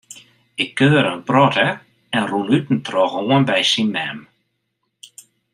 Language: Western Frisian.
Ik kuiere in protte en rûn út en troch oan by syn mem.